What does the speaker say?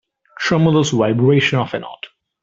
Tremulous vibration of a note.